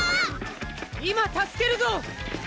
今助けるぞ！